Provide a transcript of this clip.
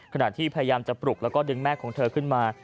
ขณะที่พยายามจะปลุกแล้วก็ดึงแม่ของเธอขึ้นมา